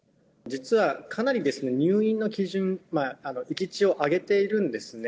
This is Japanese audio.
実はかなりですね、入院の基準を上げているんですね。